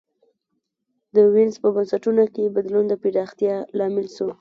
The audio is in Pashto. د وینز په بنسټونو کي بدلون د پراختیا لامل سو.